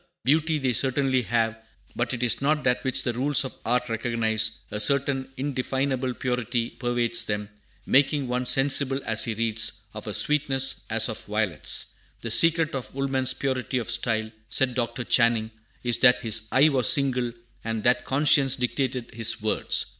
Beauty they certainly have, but it is not that which the rules of art recognize; a certain indefinable purity pervades them, making one sensible, as he reads, of a sweetness as of violets. "The secret of Woolman's purity of style," said Dr. Channing, "is that his eye was single, and that conscience dictated his words."